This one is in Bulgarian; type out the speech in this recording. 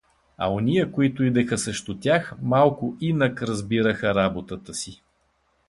А ония, които идеха срещу тях, малко инак разбираха работата си.